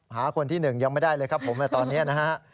หาคนที่๑ยังไม่ได้เลยครับผมตอนนี้นะฮะ